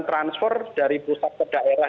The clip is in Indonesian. transfer dari pusat ke daerah